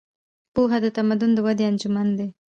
پوهه د تمدن د ودې انجن دی.